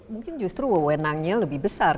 mungkin justru wewenangnya lebih besar